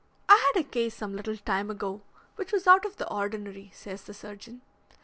"I had a case some little time ago which was out of the ordinary," says the surgeon.